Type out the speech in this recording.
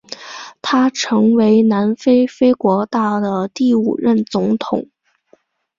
他成为南非非国大的第五任总统。